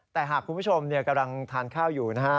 แต่หากคุณผู้ชมกำลังทานข้าวอยู่นะฮะ